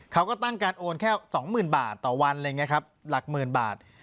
เขาก็ตั้งการโอนแค่๒๐๐๐บาทต่อวันอะไรอย่างนี้ครับหลักหมื่นบาท